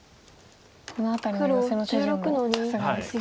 この辺りのヨセの手順もさすがですか。